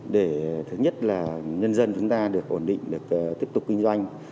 để thứ nhất là nhân dân chúng ta được ổn định được tiếp tục kinh doanh